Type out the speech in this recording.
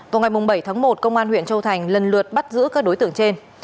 từ ngày bảy một công an huyện châu thành lần lượt bắt giữ các đối tượng trên